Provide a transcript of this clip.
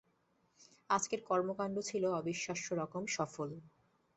আজকের কর্মকাণ্ড ছিল অবিশ্বাস্য রকম সফল।